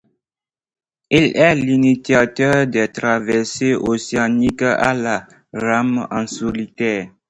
Il est l'initiateur des traversées océaniques à la rame en solitaire.